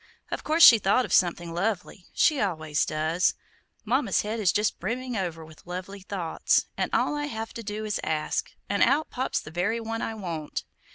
Of course she thought of something lovely; she always does; Mama's head is just brimming over with lovely thoughts, and all I have to do is ask, and out pops the very one I want.